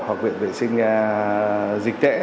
hoặc viện vệ sinh dịch tễ